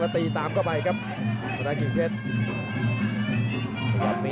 เยียาจะตั้งแขนสู้ครับ